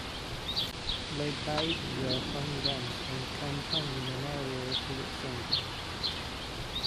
They played their home games at Canton Memorial Civic Center.